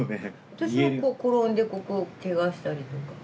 私は転んでここをけがしたりとか。